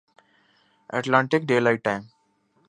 Atlantic daylight time